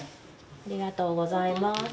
ありがとうございます。